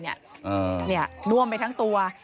น่วมไปทั้งตัว